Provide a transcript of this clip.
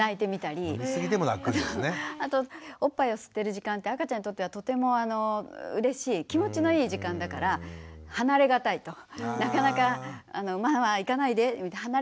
あとおっぱいを吸ってる時間って赤ちゃんにとってはとてもうれしい気持ちのいい時間だから離れがたいと。